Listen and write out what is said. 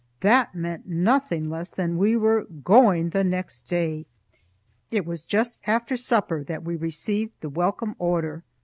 That meant nothing less than that we were "going the next day!" It was just after supper that we received the welcome order.